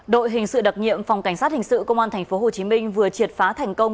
đội hình sự đặc nhiệm phòng cảnh sát hình sự công an tp hcm vừa triệt phá thành công